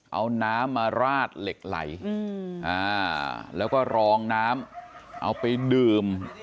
เอาน้ำมาราดเหล็กไหลแล้วก็รองน้ำเอาไปดื่ม